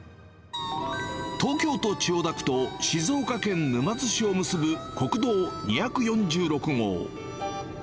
東京都千代田区と静岡県沼津市を結ぶ国道２４６号。